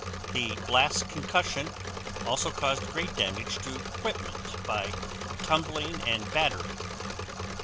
The blast concussion also caused great damage to equipment by tumbling and battering.